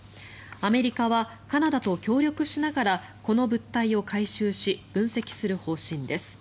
アメリカはカナダと協力しながらこの物体を回収し分析する方針です。